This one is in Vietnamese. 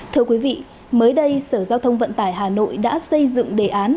thưa quý vị mới đây sở giao thông vận tải hà nội đã xây dựng đề án